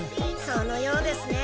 そのようですね。